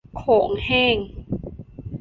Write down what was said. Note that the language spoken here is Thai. โขงแห้ง